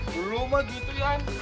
belum aja gitu ya